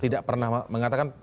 tidak pernah mengatakan